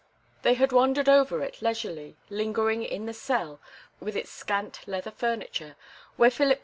They had wandered over it leisurely, lingering in the cell, with its scant leather furniture, where Philip II.